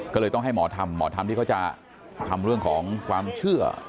ก็เลยต้องให้หมอธรรมหมอธรรมที่เขาจะทำเรื่องของความเชื่อ